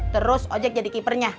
terus ojak jadi keepernya